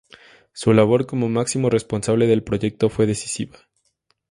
Su labor como máximo responsable del proyecto fue decisiva.